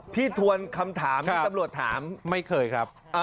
ทวนคำถามที่ตำรวจถามไม่เคยครับ